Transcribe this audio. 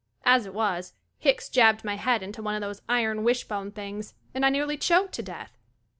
As it was, Hicks jabbed my head into one of those iron wishbone things, and I nearly choked to death.